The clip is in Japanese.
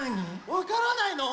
わからないの？